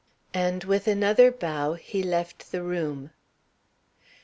And with another bow, he left the room.